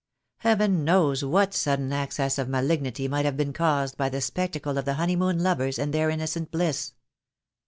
Heaven knows what sudden access of malignity might have been caused by the spectacle of the honeymoon lovers and their in nocent bliss.